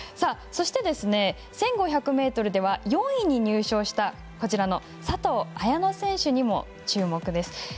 そして、１５００ｍでは４位に入賞したこちらの佐藤綾乃選手にも注目です。